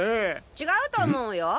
違うと思うよ。